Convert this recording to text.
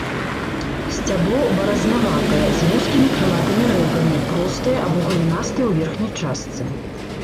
Сцябло баразнаватае, з вузкімі крылатымі рэбрамі, простае або галінастае ў верхняй частцы.